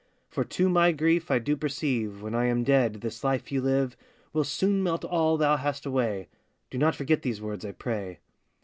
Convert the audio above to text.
'For, to my grief, I do perceive, When I am dead, this life you live Will soon melt all thou hast away; Do not forget these words, I pray.